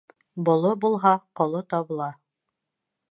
Боло булһа, ҡоло табыла.